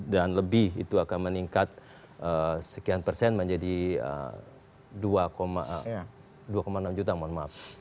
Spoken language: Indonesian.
dan lebih itu akan meningkat sekian persen menjadi dua enam juta mohon maaf